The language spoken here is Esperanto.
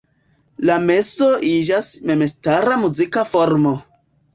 La meso iĝas memstara muzika formo.